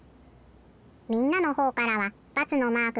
みんなのほうからは×のマークがみえて。